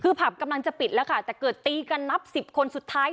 คือผับกำลังจะปิดแล้วค่ะแต่เกิดตีกันนับสิบคนสุดท้าย